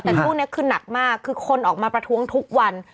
แต่ช่วงนี้คือหนักมากคือคนออกมาประท้วงทุกวัน